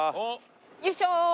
よいしょ！